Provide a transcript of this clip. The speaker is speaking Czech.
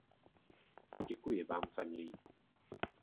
Děkuji vám za něj.